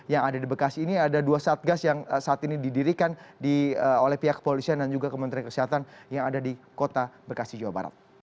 yang ada di bekasi ini ada dua satgas yang saat ini didirikan oleh pihak kepolisian dan juga kementerian kesehatan yang ada di kota bekasi jawa barat